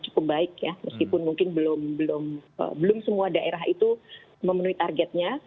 cukup baik ya meskipun mungkin belum semua daerah itu memenuhi targetnya